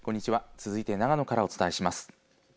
続いて長野からお伝えします。